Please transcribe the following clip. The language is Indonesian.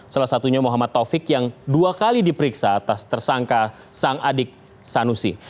salah satunya muhammad taufik yang dua kali diperiksa atas tersangka sang adik sanusi